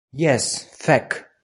Jes, fek.